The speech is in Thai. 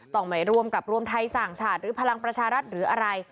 ต้องไม่รวมกับรวมไทยสร้างชาติหรือพลังประชารัฐหรืออะไร